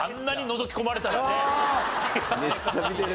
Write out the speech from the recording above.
めっちゃ見てる。